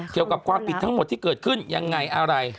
เกี่ยวกับความผิดทั้งหมดที่เกิดขึ้นยังไงอะไร